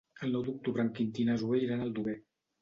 El nou d'octubre en Quintí i na Zoè iran a Aldover.